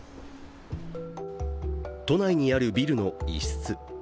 都内にあるビルの一室。